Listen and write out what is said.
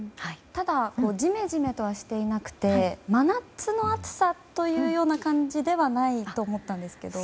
ただジメジメとはしていなくて真夏の暑さという感じではないと思ったんですけど。